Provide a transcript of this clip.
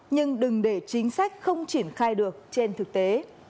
nhưng đừng để chính sách không triển khai được trên thực tế